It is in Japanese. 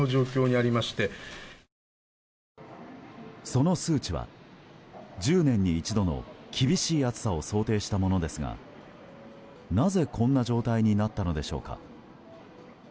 その数値は１０年に一度の厳しい暑さを想定したものですがなぜ、こんな状態になったのでしょうか。